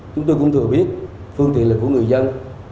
chúng tôi cũng thừa biết phương tiện là của người dân